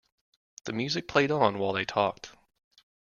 The music played on while they talked.